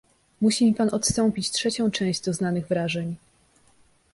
"Musi mi pan odstąpić trzecią część doznanych wrażeń."